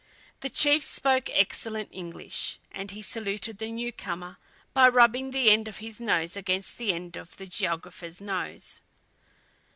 The chief spoke excellent English, and he saluted the new comer by rubbing the end of his nose against the end of the geographer's nose.